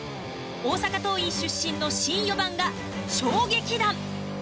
大阪桐蔭出身の新４番が翔撃弾。